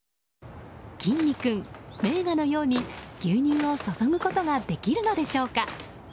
きんに君、名画のように牛乳を注ぐことができるのでしょうか。